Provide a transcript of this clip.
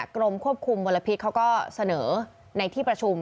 กรมควบคุมมลพิษเขาก็เสนอในที่ประชุม